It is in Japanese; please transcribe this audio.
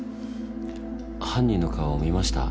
犯人の顔見ました？